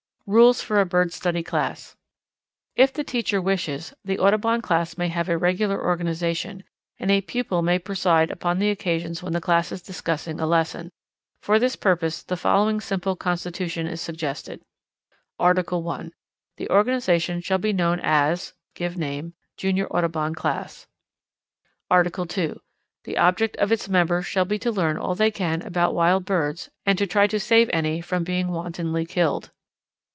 Rules for a Bird Study Class. If the teacher wishes, the Audubon Class may have a regular organization, and a pupil may preside upon the occasions when the class is discussing a lesson. For this purpose the following simple constitution is suggested: Article 1. The organization shall be known as the (give name) Junior Audubon Class. Article 2. The object of its members shall be to learn all they can about wild birds, and to try to save any from being wantonly killed.